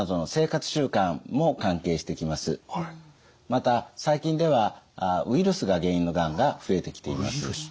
また最近ではウイルスが原因のがんが増えてきています。